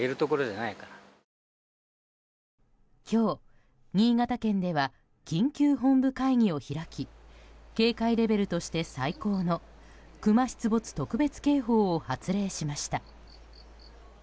今日、新潟県では緊急本部会議を開き警戒レベルとして最高のクマ出没特別警報を発令しました。